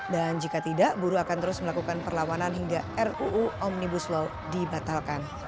dan jika tidak buruh akan terus melakukan perlawanan hingga ruu omnibus law dibatalkan